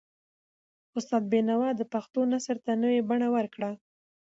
استاد بینوا د پښتو نثر ته نوي بڼه ورکړه.